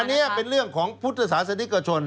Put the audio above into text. อันนี้เป็นเรื่องของพุทธศาสนิกชน